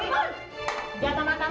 apa pun yang aku bilang